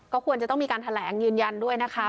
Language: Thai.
ก็ควรจะต้องมีการแถลงยืนยันด้วยนะคะ